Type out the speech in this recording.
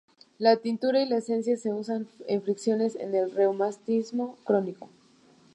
La tintura y la esencia se usan en fricciones en el reumatismo crónico".